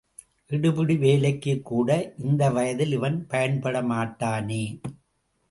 எடுபிடி வேலைக்குக்கூட இந்த வயதில் இவன் பயன்பட மாட்டானே?